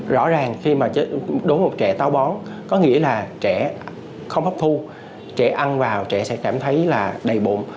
rõ ràng khi đối mục trẻ tàu bón có nghĩa là trẻ không hấp thu trẻ ăn vào trẻ sẽ cảm thấy đầy bụng